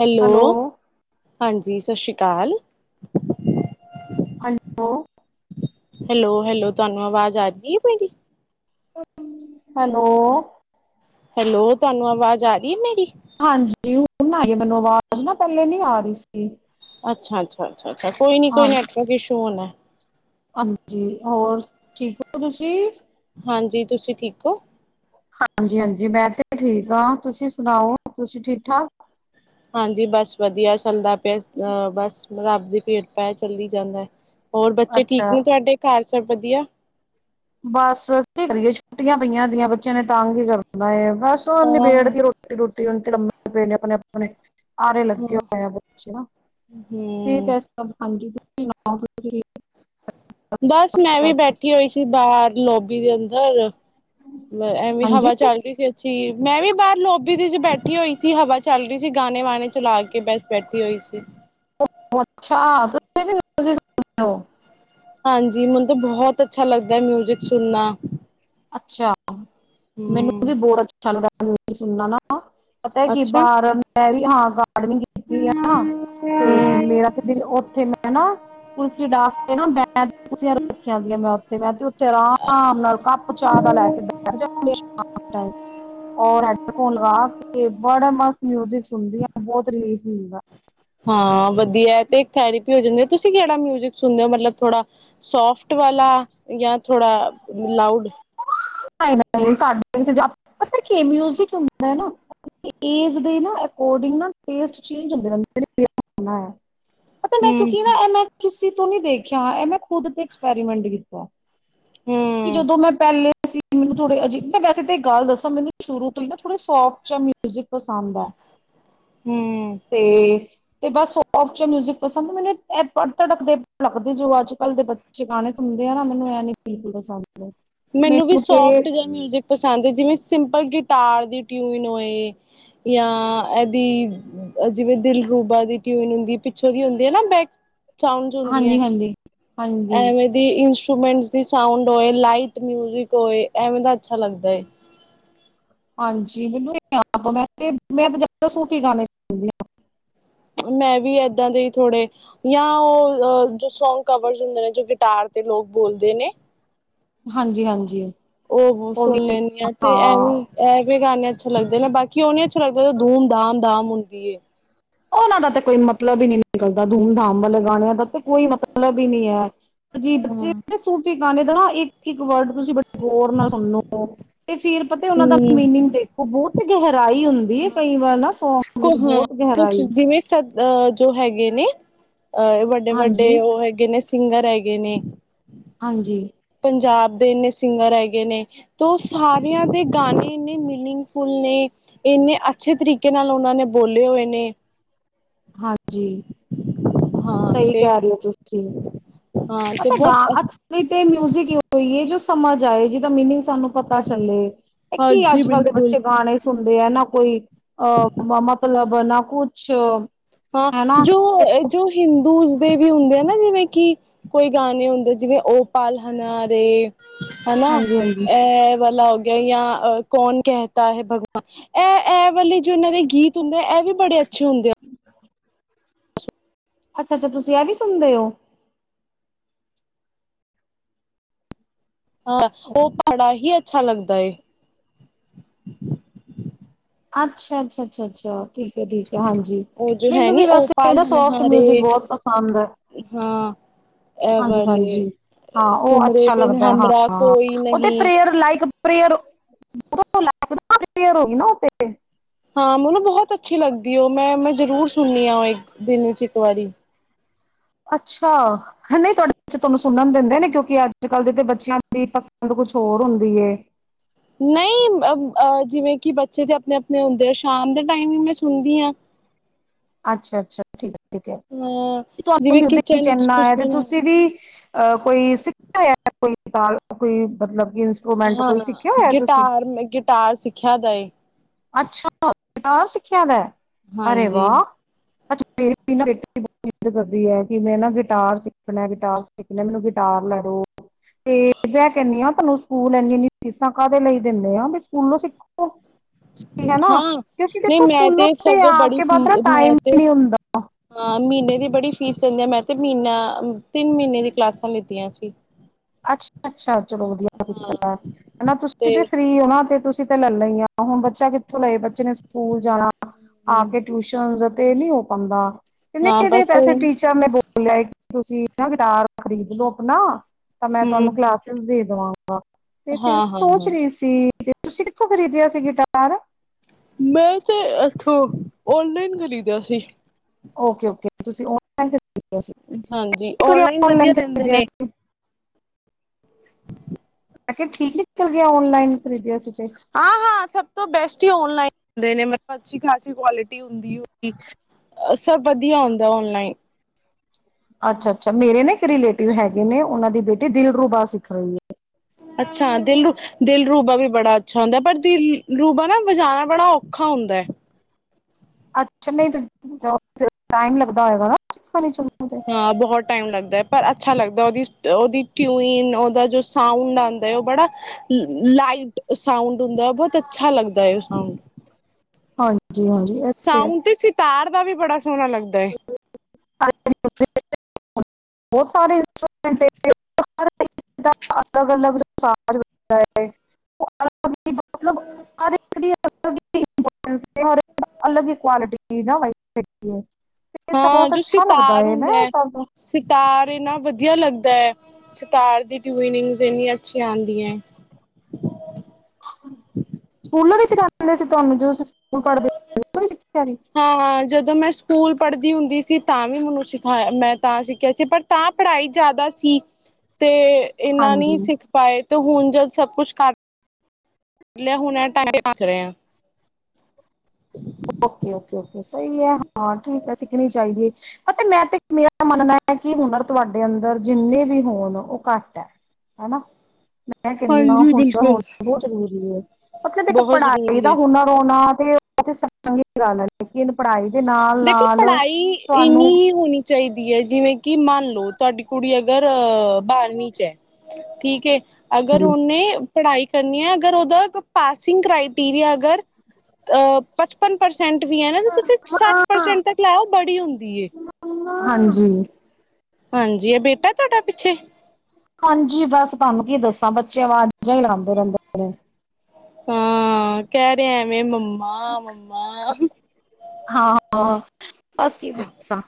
Hello. ਹਾਂਜੀ, ਸ ਸ਼੍ਰੀ ਕਾਲ। ਹਾਂ [inaudible] ਲੋ ਹੈਲੋ ਹੈਲੋ ਤੁਆਨੂੰ ਆਵਾਜ਼ ਆਂਦੀ ਐ ਸਾਡੀ? ਹੈਲੋ। ਹੈਲੋ ਤੁਆਨੂੰ ਆਵਾਜ਼ ਆ ਰੀ ਏ ਮੇਰੀ? ਹਾਂਜੀ ਹੁਣ ਆਈ ਮੈਨੂੰ ਆਵਾਜ਼ ਨਾ ਪਹਿਲੇ ਨੀ ਆ ਰਹੀ ਸੀ। ਅੱਛਾ ਅੱਛਾ। ਅੱਛਾ ਅੱਛਾ ਕੋਈ ਨੀ ਕੋਈ ਹਾਂ ਨੈਟ ਵਰਕ ਇਸ਼ੂ ਹੋਣਾ । ਹਾਂਜੀ ਹੋਰ ਠੀਕ ਹੋ ਤੁਸੀਂ? ਹਾਂਜੀ ਤੁਸੀਂ ਠੀਕ ਓ? ਹਾਂਜੀ ਹਾਂਜੀ ਮੈਂ ਤੇ ਠੀਕ ਆਂ, ਤੁਸੀਂ ਸੁਣਾਓ ਤੁਸੀ ਠੀਕ ਠਾਕ। ਹਾਂਜੀ, ਬਸ ਵਧੀਆ ਚੱਲਦਾ ਪਿਆ ਸ। ਅ ਬਸ ਰੱਬ ਦੀ ਕਿਰਪਾ ਐ ਚੱਲੀ ਜਾਂਦਾ ਐ। ਹੋਰ ਬੱਚੇ ਠੀਕ ਅੱਛਾ ਨੇ ਤੁਆਡੇ ਘਰ। ਸਭ ਵਧੀਆ। ਬਸ ਕੀ ਕਰੀਏ ਛੁੱਟੀਆਂ ਪਈਆਂ ਦੀਆਂ ਬੱਚਿਆਂ ਨੇ ਤੰਗ ਈ ਕਰਨਾ ਏ। ਹੋਰ ਸੋ ਹਾਂ ਨਬੇੜ ਕੇ ਰੋਟੀ ਰੋਟੀ ਟੇ ਉਨ ਲੰਮੇ ਪਏ ਨੇ, ਆਪਣੇ ਆਪਣੇ। ਆਰੇ ਲੱਗੇ ਹਾਂ ਹੋਏ ਆ ਬੱਚੇ ਨਾ। ਠੀਕ ਹਮ ਹੈ, ਸਭ ਹਾਂਜੀ। [unintelligible] ਬਸ ਮੈਂ ਹੋ ਵੀ ਸਭ ਬੈਠੀ ਹੋਈ ਸੀ। ਬਾਰ ਲੋਬੀ ਦੇ ਅੰਦਰ, ਐਵੇਂ ਹਾਂਜੀ ਹਵਾ ਚੱਲ ਰਹੀ ਸੀ ਅੱਛੀ। ਮੈਂ ਵੀ ਬਾਰ ਲੋਬ ਦੇ ਚ ਬੈਠੀ ਹੋਈ ਸੀ। ਹਵਾ ਚੱਲ ਰਹੀ ਸੀ, ਗਾਣੇ ਵਾਣੇ ਚਲਾ ਕੇ, ਬਸ ਬੈਠੀ ਹੋਈ ਸੀ। ਉਹ ਅੱਛਾ [inaudible] ਹਾਂਜੀ ਮੈਨੂੰ ਤਾ ਬਹੁਤ ਅੱਛਾ ਲੱਗਦੈ, ਮਿਊਜਿਕ ਸੁਣਨਾ। ਅੱਛਾ ਮੈਨੂੰ ਹਮ ਵੀ ਬਹੁਤ ਅੱਛਾ ਲੱਗਦਾ। [inaudible] ਸੁਣਨਾ ਨਾ ਪਤਾ ਏ ਕਿ, ਅੱਛਾ ਬਾਰ ਮੈਂ ਵੀ ਹਾਂ ਪ [unintelligible] ਕੀਤੀ ਆ ਨਾ, ਤੇ ਹਮ ਮੇਰਾ ਤੇ ਦਿਲ ਓਥੇ, ਮੈਂ ਨਾ ਪੁਲਿਸ ਡਾਕ ਕੇ ਨਾ ਬੈਠ ਕੁਰਸੀਆਂ ਰੱਖੀਆਂ ਹੁੰਦੀਆਂ, ਉੱਥੇ ਆਰਾਮ ਨਾਲ ਚਾਹ ਦਾ ਲੈ ਕੇ ਬੈਠ ਜਾ ਔਰ ਹੈਡਫੋਨ ਲਗਾ ਕੇ, ਬੜਾ ਮਸਤ ਮਿਊਜਿਕ ਸੁਣਦੀ ਆ ਬਹੁਤ ਰਿਲੀਫ ਮਿਲਦਾ। ਹਾਂ ਵਧੀਆ। ਏਤੇ ਇਕ ਥੈਰਪੀ ਹੋ ਜਾਂਦੀ। ਤੁਸੀਂ ਕਿਹੜਾ ਮਿਊਜਿਕ ਸੁਣਦੇ ਹੋ? ਮਤਲਬ ਥੋੜਾ ਸੋਫਟ ਵਾਲਾ ਜਾਂ ਥੋੜ੍ਹਾ ਲਾਊਡ। [unintelligible] ਪਤਾ ਕਿ ਹੈ ਏਜ ਦੇ ਅਕੋਰਡਿੰਗ ਨਾ ਟੇਸਟ ਚੇਂਜ ਹੁੰਦੇ ਰਹਿੰਦੇ ਨੇ। ਮੈਂ ਪਤਾ ਹਮ ਕਿਉਂਕਿ ਏਨੇ ਕਿਸੇ ਤੂੰ ਨੀ ਦੇਖਿਆ ਇਹ ਮੈਂ ਖੁਦ ਤੇ ਐਕਸਪੈਰੀਮੈਂਟ ਕੀਤਾ। ਕਿ ਹਮ ਜਦੋਂ ਮੈਂ ਪਹਿਲੇ ਸੀ ਮੈਨੂੰ ਥੋੜੇ [unintelligible] ਵੈਸੇ ਤਾਂ ਇੱਕ ਗੱਲ ਦੱਸ ਜਦੋਂ? ਮੈਨੂੰ ਸ਼ੁਰੂ ਤੋਂ ਹੀ ਨਾ ਥੋੜੇ ਸੋਫਟ ਜਾਂ ਮਿਊਜ਼ਿਕ ਪਸੰਦ ਹੈ ਹਮ ਤੇ ਤੇ ਬਸ ਚ ਮਿਊਜਿਕ ਪਸੰਦ ਮੈਨੂੰ ਇਹ ਪੜ ਧੜਕਦੇ ਲੱਗਦੇ ਜੋ ਅੱਜ-ਕੱਲ ਦੇ ਬੱਚੇ ਗਾਣੇ ਸੁਣਦੇ ਆ ਨਾ ਮੈਨੂੰ ਇਹ ਨੀ ਬਿਲਕੁਲ ਪਸੰਦ। ਮੈਨੂੰ ਵੀ ਸੋਫਟ ਜ ਮਿਊਜਿਕ ਪਸੰਦ ਹੈ, ਜਿਵੇਂ ਸਿੰਪਲ ਗ ਹਿਟਾਰ ਦੀ ਟਿਊਨ ਹੋਏ ਜਾਂ ਇਹਦੀ ਜਿਵੇਂ ਦਿਲ ਰੂਬਾ ਦੀ ਟਿਊਨ ਹੁੰਦੀ ਪਿੱਛੋਂ ਦੀ ਹੁੰਦੀ ਹੈ ਨਾ ਬੈਕ ਸਾਊਂਡ ਹਾਂਜੀ ਹੁੰਦੀਆਂ ਹਾਂਜੀ ਹਾਂਜੀ ਐਵੇਂ ਦੀ ਇਂਸ ਇੰਸਟਰੂਮੈਂਟ ਦੀ ਸਾਊਂਡ ਹੋਏ ਲਾਈਟ ਮਿਊਜਿਕ ਹੋਏ ਐਵੇਂ ਦਾ ਅੱਛਾ ਲੱਗਦਾ ਹੈ। ਹਾਂਜੀ ਮੈਨੂੰ, ਮੈਂਤੇ ਸੂਫ਼ੀ ਗਾਣੇ ਸੁਣਦੀ ਹਾਂ ਹਾਂਜੀ। ਮੈਂ ਵੀ ਏਦਾਂ ਦੇ ਥੋੜੇ ਜਾਂ ਉਹ ਜੋ ਸੌਗ ਕਵਰ ਹੁੰਦੇ ਨੇ ਜੋ ਗਿਟਾਰ ਤੇ ਲੋਕ ਬੋਲਦੇ ਨੇ। ਹਾਂਜੀ-ਹਾਂਜੀ। ਉਹ ਸੁਣ ਲੈਂਣੀ ਆ ਤੇ ਐਵੇਂ-ਐਵੇਂ ਗਾਣੇਿਆਂ ਅੱਛਾ ਲੱਗਦੇ ਨੇ ਬਾਕੀ ਉਹ ਨੀ ਅੱਛੇ ਲਗਦੇ ਜੋ ਧੂਮ- ਧਾਮ- ਧਾਮ ਹੁੰਦੀ ਹੈ। ਉਹਨਾਂ ਦਾ ਤਾਂ ਕੋਈ ਮਤਲਬ ਹੀ ਨਹੀਂ ਨਿਕਲਦਾ ਧੂਮ- ਧਾਮ ਵਾਲੇ ਗਾਣਿਆਂ ਦਾ ਤੇ ਕੋਈ ਮਤਲਬ ਹੀ ਨਹੀਂ ਹੈ। ਅਜੀਬ ਬੱਚੇ ਸੂਟ ਗਾਣੇ ਦਾ ਨਾ ਇੱਕ ਇੱਕ ਵਰਡ ਤੁਸੀਂ ਹੋਰ ਨਾ ਸੁਣੋ ਤੇ ਫਿਰ ਪਤਾ ਉਹਨਾਂ ਦਾ ਹਮ ਮੀਨਿੰਗ ਦੇਖੋ ਬਹੁਤ ਕਿ ਟਰਾਈ ਹੁੰਦੀ ਕਈ ਵਾਰ ਨਾ ਸੌਂਗ ਵਿੱਚ ਹਾਂ ਬਹੁਤ ਗੈਪ ਜਿਵੇਂ ਸਬ ਅ ਜੋ ਹੈਗੇ ਨੇ ਅਹ ਇਹ ਵੱਡੇ-ਵੱਡੇ ਹਾਂਜੀ, ਉਹ ਹੈਗੇ ਨੇ ਸਿੰਗਰ ਹੈਗੇ ਨੇ ਹਾਂਜੀ ਪੰਜਾਬ ਦੇ ਇੰਨੇ ਸਿੰਗਰ ਹੈਗੇ ਨੇ ਤਾਂ ਸਾਰਿਆਂ ਦੇ ਗਾਣੇ ਇੰਨੇ ਮੀਨਿੰਗਫੁਲ ਨੇ ਇੰਨੇ ਅੱਛੇ ਤਰੀਕੇ ਨਾਲ ਉਹਨਾਂ ਨੇ ਬੋਲੇ ਹੋਏ ਨੇ ਹਾਂਜੀ ਹਾਂ ਸਹੀ ਤੇ ਕਹਿ ਰਹੇ ਹੋ ਤੁਸੀਂ ਹਾਂ ਤੇ ਮ ਗ ਬਹੁਤ ਅਸਲੀ ਮਿਊਜ਼ਿਕ ਹੋਏ ਜੋ ਸਮਾਂ ਆਏ ਜਿਹਦਾ ਮੀਨਿੰਗ ਸਾਨੂੰ ਪਤਾ ਚੱਲੇ ਇਹ ਕੀ ਹਾਂਜੀ ਅੱਜ ਕੱਲ੍ਹ ਦੇ ਬਿਲਕੁਲ ਬੱਚੇ ਗਾਣੇ ਸੁਣ ਦੇ ਹੈ ਨਾ ਕੋਈ ਅਹ ਮਮਾਤਾਲ ਬਨਾ ਕੁਛ ਹਾਂ ਹੈਨਾ ਜੋ ਜੋ ਹਿੰਦੂ ਦੇ ਵੀ ਹੁੰਦੇ ਆ ਨਾ ਜਿਵੇਂ ਕਿ ਕੋਈ ਗਾਣੇ ਹੁੰਦੇ ਜਿਵੇਂ ਓ ਪਾਲ ਹਨਨਾਰੇ ਹਨਾ ਹਾਂਜੀ ਹਾਂਜੀ ਇਹ ਵਲਾ ਜਾਂ ਕੌਣ ਕਹਿਤਾ ਹੈ ਭਗਵਾਨ ਇਹ ਇਹ ਵਾਲੇ ਜੋ ਇਹਨਾਂ ਦੇ ਗੀਤ ਹੁੰਦੇ ਆ ਇਹ ਵੀ ਬੜੇ ਅੇ ਅੱਛੇ ਹੁੰਦੇ ਆ ਅੱਛਾ ਅੱਛਾ ਤੁਸੀਂ ਇਹ ਵੀ ਸੁਣਦੇ ਹੋ ਹਾਂ ਉਹ ਭੜਾ ਹੀ ਅੱਛਾ ਲੱਗਦਾ ਅੱਛਾ ਅੱਛਾ ਅੱਛਾ ਅੱਛ ਠੀਕ ਹੈ ਠੀਕ ਹੈ ਹਾਂਜੀ ਉਹ ਜੋ ਹੈ ਮੈਨੂੰ ਵੀ ਨੀ ਉਹ ਵੈਸੇ ਪਾਲ ਇਹਦਾ ਸੋਫਟ ਮਿਊਜਿਕ ਹਨਹਾਰੇ ਬਹੁਤ ਪਸੰਦ ਹੈ ਹਾਂ ਇਹ ਹਾਂਜੀ ਵਾਲੇ ਹਾਂਜੀ ਹਾਂ ਉਹ ਤੁਮਰੇ ਅੱਛਾ ਬਿਨ ਲੱਗਦਾ ਹਾਂ ਹਮਾਰਾ ਹ ਕੋਈ ਉਹ ਤੇ ਨਹੀਂ ਪ੍ਰੇਅਰ ਲਾਈਕ ਪ੍ਰੇਅਰ ਹੋਈ ਨਾ ਉਥ ਹਾਂ ਮੈਨੂੰ ਬਹੁਤ ਅੱਛੀ ਲੱਗਦੀ ਉਹ ਮੈਂ ਮੈਂ ਜ਼ਰੂਰ ਸੁਣਨੀ ਆਾਂ ਉਹ ਇੱਕ ਦਿਨ ਚ ਇੱਕ ਵਾਰੀ ਅੱਛਾ ਨਹੀਂ ਤੁਹਾਡੇ ਬੱਚੇ ਤੁਹਾਨੂੰ ਸੁਣਨ ਦਿੰਦੇ ਨੇ ਕਿਉਂਕਿ ਅੱਜ ਕੱਲ ਦੇ ਤੇ ਬੱਚਿਆਂ ਦੀ ਪਸੰਦ ਕੁਛ ਹੋਰ ਹੁੰਦੀ ਨਹੀਂ ਅ ਜਿਵੇਂ ਕਿ ਬੱਚੇ ਦੇ ਆਪਣੇ ਆਪਣੇ ਹੁੰਦੇ ਆ ਸ਼ਾਮ ਦੇ ਟਾਈਮਿੰਗ ਵਿੱਚ ਸੁਦੀਆਂ ਅੱਛਾ ਅੱਛਾ ਠੀਕ ਠੀਕ ਹੈ ਅ ਤੁਹਾਨੂੰ ਜਿਵੇਂ ਮਿਊਜਿਕ ਕਿਚਨ ਵਿੱਚ ਚੰਨਾ ਕੁਛ ਹੈ ਤੇ ਬਣਾ ਤੁਸੀਂ ਵੀ ਅ ਕੋਈ ਸਿੱਖਿਆ ਕੋਈ ਕੋਈ ਮਤਲਬ ਕਿ ਇੰਸਟਰੂਮੈਂਟ ਹਾਂ ਕੋਈ ਸਿੱਖਿਆ ਹੋਇਆ ਤੁਸੀਂ ਗਿਟਾਰ ਮ ਗਿਟਾਰ ਸਿੱਖਿਆ ਦਾ ਅੱਛਾਟ ਖਿਆਦਾ ਹੈ ਅਰੇ ਹਾਂਜੀ ਵਾਹ ਅੱ ਮੇਰੀ ਬੇ ਬ ਕਰਦੀ ਹੈ ਕਿ ਮੈਂ ਨਾ ਗਿਟਾਰ ਸਿੱਖਣਾ ਗਿਟਾਰ ਸਿੱਖ ਮੈਨੂੰ ਗਿਟਾਰ ਲੈੜੋ ਤੇ ਮੈਂ ਕਹਿੰਦੀ ਆ ਤੁਹਾਨੂੰ ਸਕੂਲ ਇਨੀ ਇਨੀ ਫੀਸਾਂ ਕਾਹਦੇ ਲਈ ਦਿੰਦੇ ਆ ਸਕੂਲੋਂ ਸਿੱਖੋ ਹੈ ਨਾ ਹਾਂ ਕਿਉਂਕਿ ਨਹੀਂ ਦੇਖੋ ਮੈਂ ਤੇ ਸਗੋਂ ਆ ਬੜੀ ਕੇ ਬਾਅਦ ਨਾ ਫੀ ਮੈਂ ਟਾਈਮ ਤੇ ਹੀ ਨਹੀਂ ਹੁੰਦਾ ਹਾਂ। ਆ ਮਹੀਨੇ ਦੀ ਬੜੀ ਫੀਸ ਦਿੰਦੀ ਆ ਮੈਂ ਤੇ ਮਹੀਨਾ ਤਿੰਨ ਮਹੀਨੇ ਦੀ ਕਲਾਸਾਂ ਲਿੱਤੀਆਂ ਸੀ। ਅੱਛ ਅੱਛਾ ਚਲੋ ਵਧੀਆ ਹਾਂ ਕੀਤਾ ਹਨਾ ਤੁਸੀਂ ਤੇ ਫਰੀ ਹੋ ਨਾ ਤੇ ਤੁਸੀਂ, [unintelligible] ਤੇ ਲੈ ਲਈ ਆ ਹੁਣ ਬੱਚਾ ਕਿੱਥੋਂ ਲਏ ਬੱਚੇ ਨੇ ਸਕੂਲ ਜਾਣਾ, ਆ ਕੇ ਟਿਊਸ਼ਨ ਤੇਲ ਨੀ ਹੋ ਪਾਉਂਦਾ, ਹਾਂ ਨਹੀਂ ਇਹਦੇ ਬਸ ਪੈਸੇ ਉਹੀ ਟੀਚਰ ਨੇੈਂ ਬੁਕ ਲੲੇ ਤੁਸੀਂ, ਜਾ ਗਿਟਾਰ ਖਰੀਦ ਲੋ ਆਪਣਾ, ਤਾਂ ਮੈਂ ਤੁਹਾਨੂੰ ਹਮ ਕਲਾਸਿਸ ਦੇ, ਹ [unintelligible] [unintelligible] ਤੇ ਫਿਰ ਹਾਂ ਹਾਂ ਸੋਚ ਹਾਂ ਰਹੀ ਸੀ, ਫਿਰ ਤੁਸੀਂ ਕਿੱਥੋਂ ਖਰੀਦਿਆ ਸੀ ਗਿਟਾਰ, ਮੈਂ ਤੇ ਇੱਥੋਂ ਓਨਲਾਈਨ ਖਰੀਦਿਆ ਸੀ। ਓਕੇ ਓਕੇ ਤੁਸੀਂ ਆਨਲਾੲੀਨ, ਹਾਂਜੀ ਆਨਲਾਈਨ ਵਧੀਆ ਰਹਿੰਦੇ ਖਰੀਦਿਆ ਨੇ, ਸੀ ਮੈ ਕਿਹਾ ਠੀਕ ਨਿਕਲ ਗਿਆ ਆਨਲਾਈਨ ਖਰੀਦਿਆ ਸੀ। ਤੇ ਹਾਂ-ਹਾਂ ਸਭ ਤੋਂ ਬੈਸਟ ਹੀ ਆਨਲਾਈਨ, ਹੁੰਦੇ ਨੇ ਮਤਲਬ ਅੱਛੀ ਖਾਸੀ ਕੁਆਲਿਟੀ ਹੁੰਦੀ ਉਹਦੀ ਸਭ ਵਧੀਆ ਹੁੰਦਾ ਆਨਲਾਈਨ। ਅੱਛਾ-ਅੱਛਾ ਮੇਰੇ ਨੇ, ਰਿਲੇਟਿਵ ਹੈਗੇ ਨੇ ਉਹਨਾਂ ਦੀ, ਬੇਟੀੇ ਦਿਲ ਰੂਬਾ ਸਿੱਖ ਰਹੀ ਹੈ। ਅੱਛਾ ਦਿਲ ਰੂ ਦਿਲ ਰੂਬਾ ਵੀ ਬੜਾ ਅੱਛਾ ਹੁੰਦਾ ਪਰ ਦਿਲ ਰੂਬਾ ਨਾ ਵਜਾਉਣਾ ਬੜਾ ਔਖਾ ਹੁੰਦਾ ਹੈ। ਅੱਛਾ ਨਹੀਂ [unintelligible] ਟਾਈਮ ਲੱਗਦਾ ਹੈਗਾ। ਹਾਂ ਬਹੁਤ ਟਾਈਮ ਲੱਗਦਾ। ਪਰ ਅੱਛਾ ਲੱਗਦਾ ਉਹਦੀ ਉਹਦੀ ਟਿਊਨ ਉਹਦਾ ਜੋ ਸਾਊਂਡ ਆਉਂਦਾ ਉਹ ਬੜਾ ਲਾਈਟ ਸਾਊਂਡ-ਤ ਹੁੰਦਾ ਬਹੁਤ ਅੱਛਾ ਲੱਗਦਾ ਹੈ ਉਹ ਸਾਊਂਡ, ਹਾਂ ਸਾਊਂ ਤੇ ਸਿਤਾਰ, ਦਾ ਵੀ ਬੜਾ ਸੋਹਣਾ ਲੱਗਦਾ ਹੈ। ਹਾਂ [unintelligible] ਬਹੁਤ ਸਾਰੇ ਇੰਸਟਰੂਮੈਂਟ ਏ [unintelligible] ਪਰ ਇਕ ਕੰਮ ਅਲਗ ਅਲਗ, ਸ- [unintelligible] -ਮਤਲਬ - [unintelligible] -ਅਲਗ ਹੀ ਕੁਆਲਟੀ - [unintelligible] ਇਹ ਸਭ ਹਾਂ ਬਹੁਤ ਜੋ ਅੱਛਾ ਲੱਗਦਾ ਸਿਤਾਰ ਨਾ ਹੁੰਦਾ ਇਹ ਹੈ ਸਾਨੂੰ ਸਿਤਾਰ ਇੰਨਾ ਵਧੀਆ ਲੱਗਦਾ ਹੈ, ਸਿਤਾਰ ਦੀ ਟਯੂਨਿੰਗਸ ਇੰਨੀਆਂ ਅੱਛੀਆਂ ਆਉਂਦੀਆਂ, ਸਿਖਾ ਦਿੰਦੇ ਸੀ ਤੁਹਾਨੂੰ ਜੋ ਤੁਸੀਂ ਸਕੂਲ [unintelligible] ਪੜ [unintelligible] ਹਾਂ-ਹਾਂ, ਜਦੋਂ ਮੈਂ ਸ ਸਕੂਲ ਪੜ੍ਹਦੀ ਹੁੰਦੀ ਸੀ ਤਾਂ ਵੀ ਮੈਨੂੰ ਸਿਖਾਇ ਸਿਖਾਇਆ ਮੈਂ ਤਾਂ ਸਿੱਖਿਆ ਸੀ ਪਰ ਤਾਂ ਪੜ੍ਹਾਈ ਜ਼ਿਆਦਾ ਸੀ ਤੇ ਇਹਨਾਂ ਨੀ ਹਾਂਜੀ ਸਿੱਖ ਪਾਏ ਤੇ ਹੁਣ ਜਦ ਸਭ ਕੁਛ ਕਟ ਲਿਆ ਹੁਣਾ ਟਾਈਮ [unintelligible] ਰਹੇ ਹਾਂ ਓਕੇ- ਓਕੇ- ਓਕੇ ਸਹੀ ਹੈ। ਹਾਂ, ਠੀਕ ਹੈ ਸਿੱਖਣੀ ਚਾਹੀਦੀ ਹੈ। ਤੇ ਮੈਂ ਤੇ ਮੇਰਾ ਮੰਨਣਾ ਹੈ ਕਿ ਹੁਨਰ ਤੁਹਾਡੇ ਅੰਦਰ ਜਿੰਨੇ ਵੀ ਹੋਣ ਉਹ ਘੱਟ ਹੈ ਹੈਨਾ। ਕਿੰਨੀਆਂ ਹਾਂਜੀ ਹੁਨਰ ਬਿਲਕੁਲ ਹੋਣਾ ਬਹੁਤ ਜ਼ਰੂਰੀ ਹੈ, ਮਤਲਬ ਇੱਕ ਬਹੁਤ ਪੜ੍ਹਾਈ ਜ਼ਰੂਰੀ ਦਾ ਹੈ ਹੁਨਰ ਹੋਣਾ ਏਓ ਇਥੇ ਸਬ ਚੰਗੀ [unintelligible] - ਹੈ ਇਹਨੂੰ ਦੇਖੋ ਪੜ੍ਹਾਈ ਇੰਨੀ ਹੀ ਹੋਣੀ ਚਾਹੀਦ ਡੀ ਆਈ ਵਾਏ, ਹੈ ਜਿਵੇਂ ਕਿ ਮੰਨ ਲਓ ਤੁਹਾਡੀ ਕੁੜੀ ਅਗਰ ਅ ਬਾਰਵੀਂ ਚ ਹੈ। ਠੀਕ ਏ। ਅਗਰ ਹਾਂਜੀ ਉਹਨੇ ਪੜ੍ਹਾਈ ਕਰਨੀ ਹੈ ਅਗਰ ਉਹਦਾ ਪਾਸਿੰਗ ਕਰਾਈਟੀਰੀਆ ਅਗਰ ਅ ਪਚਪਨ ਪਰਸੈਂਟ ਸੈਂਟ ਵੀ ਹੈ ਨਾ ਤ ਤੁਸੀਂ ਸੱਠ ਪਰਸੈਂਟ ਤੱਕ ਲੈ ਆਓ ਬੜੀ ਹੁੰਦੀ ਹੈ। ਹਾਂਜੀ। ਹਾਂਜੀ, ਏਕ ਬੇਟਾ ਤੁਹਾਡਾ ਪਿੱਛੇ ਹਾਂਜੀ ਬਸ ਤੁਹਾਨੂੰ ਕੀ ਦੱਸਾਂ ਬੱਚੇ ਅਵਾਜਾਂ ਹੀ ਲਾਉਂਦੇ ਰਹਿੰਦੇ ਨੇ। ਹਾਂ ਕਹਿ ਰਿਹਾ ਐਵੇਂ ਮੰਮਾ ਮੰਮਾ ਹਾਂ ਬਸ ਕੀ ਦੱਸਾਂ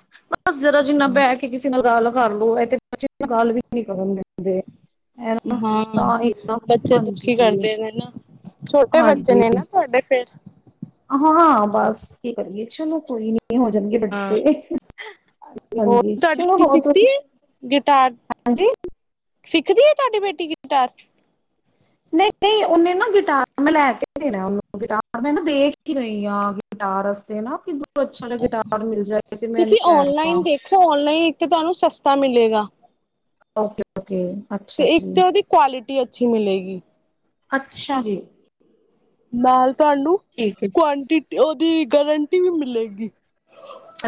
ਬਸ ਜਰਾ ਜਿੰਨਾ ਬਹਿ ਕੇ ਕਿਸੇ ਨਾਲ ਹੈਲੋ ਇਹ ਤੇ ਬੱਚੇ ਤਾ ਗੱਲ ਵੀ ਨੀ ਕਰਨ ਦੇਂਦੇ। -ਹਾਂ ਹੀ ਨਾ ਬੱਚੇ ਦੁਖੀ ਹਾਂਜੀ ਕਰਦੇ ਨੇ ਨਾ, ਛੋਟੇ ਬੱਚੇ ਹਾਂਜੀ ਨੇ ਨਾ ਤੁਹਾਡੇ ਫੇਰ ਹਾਂ, ਬਸ ਕੀ ਕਰੀਏ ਚਲੋ ਕੋਈ ਨੀ। ਇਹ ਹੋ ਜਾਣਗੇ ਵੱਡੇ। ਹੋਰ ਹਾਂਜੀ ਤੁਹਾਡੀ ਚਲੋ ਕੁੜੀ ਹੋਰ ਸਿਖਦੀ ਤੁਸੀਂ ਹੈ, ਗਿਟਾਰ ਹਾਂਜੀ ਸਿੱਖਦੀ ਹੈ ਤੁਹਾਡੀ ਬੇਟੀ ਗਿਟਾਰ। ਨਹੀਂ-ਨਹੀਂ ਉਹਨੇ ਨਾ ਗਿਟਾਰ ਮੈਂ ਲੈ ਕੇ ਦੇਣਾ ਉਹਨੂੰ ਗਿਟਾਰ ਮੈਂ ਨਾ ਦੇਖ ਹੀ ਰਹੀ ਹਾਂ ਗਿਟਾਰ ਵਸਤੇ ਨਾ ਅੱਛਾ ਨਾ ਗਿਟਾਰ ਮਿਲ ਜਾਏ ਤੇ ਮੈਂ ਇਹਨੂੰ ਤੁਸੀਂ ਔਨਲਾਈਨ ਲੈਦੇਵਾਂ। ਦੇਖੋ ਔਨਲਾਈਨ ਇੱਕ ਤੇ ਤੁਹਾਨੂੰ ਸਸਤਾ ਮਿਲੇਗਾ ਓਕੇ। ਓਕੇ ਤੇ ਅੱਛਾ ਇੱਕ ਜੀ ਤਾਂ ਉਹਦੀ ਕੁਆਲਿਟੀ ਅੱਛੀ ਮਿਲੇਗੀ। ਅੱਛਾ ਜੀ। ਨਾਲ ਤੁਹਾਨੂੰ ਠੀਕ ਹੈ ਜੀ ਕੁਆਂਟੀਟੀ ਦੀ ਗਾਰੰਟੀ ਵੀ ਮਿਲੇਗੀ।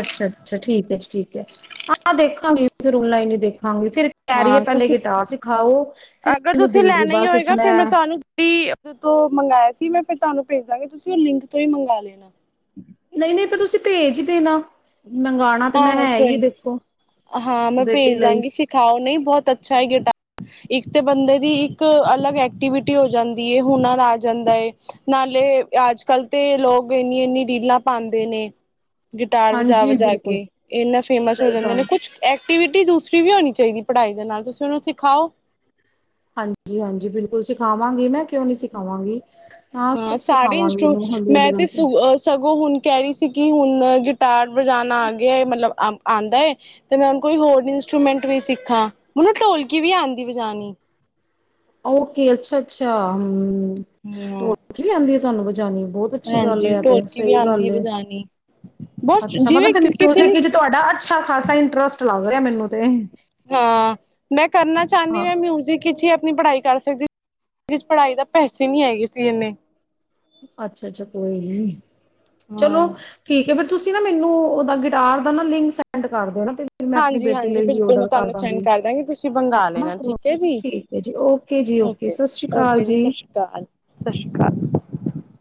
ਅੱਛਾ-ਅੱਛਾ ਠੀਕ ਹੈ ਜੀ ਠੀਕ ਹੈ ਹਾਂ ਦੇਖਾਂਗੇ ਫਿਰ ਆਨਲਾਈਨ ਦੇਖ ਹਾਂਗੀ ਫੇਰ ਕਹਿ ਰਹੀਏ ਹਾਂ ਪਹਿਲੇ ਤੁਸੀਂ ਗਿਟਾਰ ਸਿਖਾਓ ਫਿਰ ਅਗਰ ਮੈਨੂੰ ਤੁਸੀਂ ਦਿਲ ਰੂਬਾ ਸਿੱਖਣਾ ਜਦੋਂ ਮੰਗਾਇਆ ਸੀ ਮੈਂ ਫਿਰ ਤੁਹਾਨੂੰ ਭੇਜਾਂਗੀ ਤੁਸੀਂ ਲਿੰਕ ਤੋਂ ਹੀ ਮੰਗਵਾ ਲੈਣਾ ਨਹੀਂ ਨਹੀਂ ਤਾਂ ਤੁਸੀਂ ਭੇਜ ਹੀ ਦੇਣਾ। ਮੰਗਵਾਉਣਾ ਤੇ ਮੈਂ ਹਾਂ-ਹਾਂ ਹੈ ਹੀ ਕੋਈ ਏ ਨੀ ਦੇਖੋ। ਹਾਂ ਮੈਂ ਬੇਟੀ ਭੇਜ ਲਈ ਦਵਾਂਗੀ ਸਿਖਾਓ ਨਹੀਂ, ਬਹੁਤ ਅੱਛਾ ਹੈ ਗਿਟਾਰ ਇੱਕ ਤੇ ਬੰਦੇ ਦੀ ਇੱਕ ਅਲੱਗ ਐਕਟੀਵਿਟੀ ਹੋ ਜਾਂਦੀ ਹੈ ਹੁਨਰ ਆ ਜਾਂਦਾ ਹੈ, ਨਾਲੇ ਅੱਜ ਕੱਲ ਤੇ ਲੋਕ ਇੰਨੀ ਇੰਨੀ ਰੀਲਾਂ ਪਾਉਂਦੇ ਨੇ, ਗਿਟਾਰ ਵਜਾ ਹਾਂਜੀ ਵਜਾ ਕੇ ਬਿਲਕੁਲ ਇੰਨਾ ਫੇਮਸ ਹੋ ਸਹੀ ਜਾਂਦੇ ਨੇ, ਗੱਲ ਐਕਟੀਵਿਟੀ ਦੂਸਰੀ ਵੀ ਹੋਣੀ ਚਾਹੀਦੀ ਪੜ੍ਹਾਈ ਦੇ ਨਾਲ ਤੁਸੀਂ ਉਹਨੂੰ ਸਿਖਾਓ। ਹਾਂਜੀ-ਹਾਂਜੀ, ਬਿਲਕੁਲ ਸਿਖਾਵਾਂਗੀ ਮੈਂ ਕਿਉਂ ਨੀ ਸਿਖਾਵਾਂਗੀ। ਹਾਂ ਸਭ ਸਾਰੇ ਸਿਖਾਵਾਂਗੀ ਇੰਸਟਰੂ ਇਹਨੂੰ ਹੌਲੀ-ਹੌਲੀ ਮੈਂ ਤੇ ਸ ਕਰਕੇ ਸਗੋਂ ਹੁਣ ਕਹਿ ਰਹੀ ਸੀ ਕਿ ਹੁਣ ਗਿਟਾਰ ਵਜਾਉਣਾ ਆ ਗਿਆ ਏ ਮਤਲਬ ਆਉਂਦਾ ਹੈ ਤੇ ਮੈਂ ਹੁਣ ਕੋਈ ਹੋਰ ਇੰਸਟਰੂਮੈਂਟ ਵੀ ਸਿੱਖਾ ਮੈਨੂੰ ਢੋਲਕੀ ਵੀ ਆਉਂਦੀ ਵਜਾਉਣੀ, ਓਕੇ ਅੱਛਾ ਅੱਛਾ ਹੂੰ, ਹਮ ਢੋਲਕੀ ਵੀ ਆਉਂਦੀ ਧੰਨਵਾਦ। [unintelligible] ਬਹੁਤ ਅੱਛੀ ਗੱਲ ਹਾਂਜੀ ਹੈ ਤੇ ਢੋਲਕੀ ਵੀ ਸਹੀ ਆਉਂਦੀ ਗੱਲ ਹੈ ਏ ਵਜਾਣੀ ਬਹੁਤ ਅੱਛਾ ਮਤਲਬ ਜਿਵੇਂ ਫਿਰ ਕਿਸੇ ਮਿਊਜਿਕ ਨੂੰ ਵਿਚ ਤੁਹਾਡਾ ਅੱਛਾ ਖਾਸਾ ਇੰਟਰਸਟ ਲੱਗਦਾ ਹੋਇਆ ਮੈਨੂੰ ਤੇ, ਹਾਂ, ਮੈਂ ਕਰਨਾ ਚਾਹੁੰਦੀ ਹ ਹਾਂ ਮੈਂ ਮਿਊਜ਼ਿਕ ਚ ਹੀ ਨਹੀਂ ਪੜ੍ਹਾਈ ਕਰ ਸਕਦੀ [unintelligible] ਪੜ੍ਹਾਈ ਦਾ ਪੈਸੇ ਨਹੀਂ ਹੈਗੇ ਸੀ ਇੰਨੇ, ਅੱਛਾ-ਅੱਛਾ ਕੋਈ ਨੀ, ਚਲੋ ਹਾਂ ਠੀਕ ਹੈ ਫੇਰ ਤੁਸੀਂ ਨਾ ਮੈਨੂੰ ਉਹਦਾ ਗਿਟਾਰ ਦਾ ਨਾ ਲਿੰਕ ਸੈਂਡ ਕਰ ਦਿਓ ਨਾ ਤੇ ਫਿਰ ਮੈਂ ਆਪਣੀ ਹਾਂਜੀ ਬੇਟੀ ਹਾਂਜੀ ਲਈ ਵੀ ਬਿਲਕੁਲ ਮੈਂ ਔਡਰ ਕਰ ਤੁਹਾਨੂੰ ਸੈਂਡ ਦਾਂਗੀ ਕਰਦਾਂਗੀ ਤੁਸੀਂ ਹੈ ਮੰਗਾ ਨਾ ਲੈਣਾ ਠੀਕ ਹੈ ਓਕੇ ਜੀ, ਠੀਕ ਹੈ ਜੀ ਓਕੇ ਜੀ ਓਕੇ ਸਤਿ ਸ਼੍ਰੀ ਜੀ ਅਕਾਲ ਓਕੇ ਜੀ ਸਤਿ ਸ਼੍ਰੀ ਅਕਾਲ ਸਤਿ ਸ਼੍ਰੀ ਅਕਾਲ।